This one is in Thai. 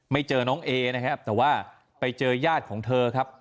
เจอน้องเอนะครับแต่ว่าไปเจอญาติของเธอครับ